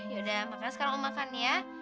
yaudah makan sekarang om makan ya